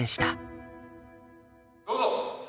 どうぞ！